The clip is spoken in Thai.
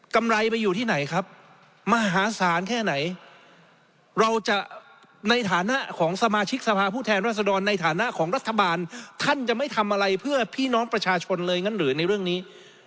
ไรไปอยู่ที่ไหนครับมหาศาลแค่ไหนเราจะในฐานะของสมาชิกสภาพผู้แทนรัศดรในฐานะของรัฐบาลท่านจะไม่ทำอะไรเพื่อพี่น้องประชาชนเลยงั้นหรือในเรื่องนี้